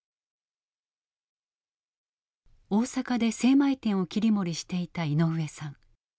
大阪で精米店を切り盛りしていた井上さん。